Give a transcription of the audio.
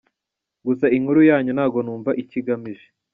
gusa inkuru yanyu ntago numva icyo igamije.